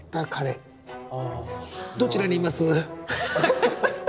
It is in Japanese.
どちらにいます？